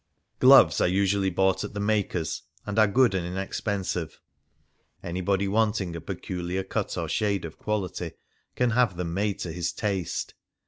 Gloves are usually bought at the maker's, and are good and inexpensive. Anybody want ing a peculiar cut or shade of quality can have them made to his taste.